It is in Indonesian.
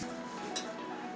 aduh kum pulang juga oke